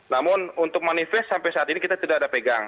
namun untuk manifest sampai saat ini kita tidak ada pegang